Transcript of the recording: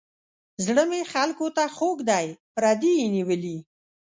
زړه مې خلکو ته خوږ دی پردي یې نیولي.